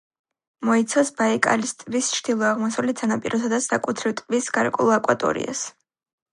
მოიცავს ბაიკალის ტბის ჩრდილო-აღმოსავლეთ სანაპიროსა და საკუთრივ ტბის გარკვეულ აკვატორიას.